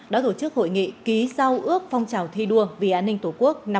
đã tổ chức hội nghị ký giao ước phong trào thi đua vì an ninh tổ quốc năm hai nghìn hai mươi bốn